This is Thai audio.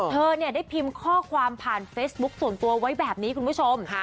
เธอเนี่ยได้พิมพ์ข้อความผ่านเฟซบุ๊คส่วนตัวไว้แบบนี้คุณผู้ชม